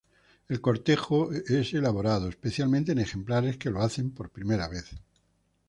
El cortejo es elaborado, especialmente en ejemplares que lo hacen por primera vez.